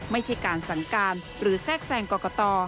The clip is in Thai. ไม่ใช่การสั่งการหรือแทรกแทรงกรกต